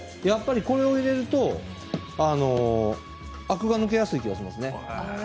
これを入れるとアクが抜けやすい気がしますね。